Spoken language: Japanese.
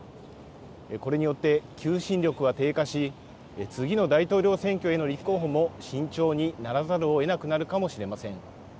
これによって、求心力は低下し、次の大統領選挙への立候補も慎重にならざるをえなくなるかもしれません。